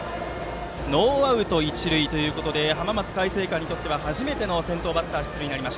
ノーアウト、一塁ということで浜松開誠館にとっては初めての先頭バッター出塁です。